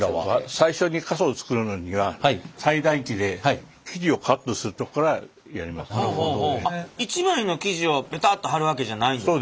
最初に傘を作るのには一枚の生地をペタッと張るわけじゃないんですか？